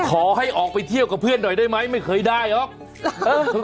ขอให้ออกไปเที่ยวกับเพื่อนหน่อยได้ไหมไม่เคยได้หรอก